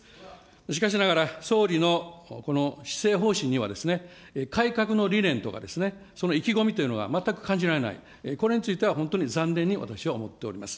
しかしながら、総理のこの施政方針には、改革の理念とかですね、その意気込みというのが全く感じられない、これについては本当に残念に、私は思っております。